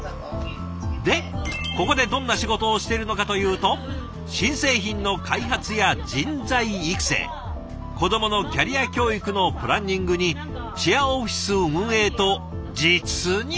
でここでどんな仕事をしてるのかというと新製品の開発や人材育成子どものキャリア教育のプランニングにシェアオフィス運営と実に幅広い。